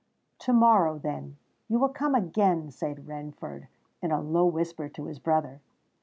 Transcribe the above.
"To morrow, then, you will come again," said Rainford, in a low whisper to his brother.